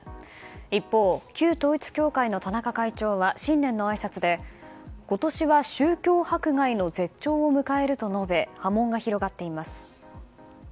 一方、旧統一教会の田中会長は新年のあいさつで今年は宗教迫害の絶頂を迎えると述べ波紋が広がっています。